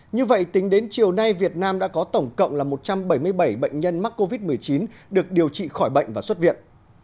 như vậy tính đến chiều nay việt nam đã có tổng cộng là một trăm bảy mươi bảy bệnh nhân mắc covid một mươi chín được điều trị khỏi bệnh và xuất viện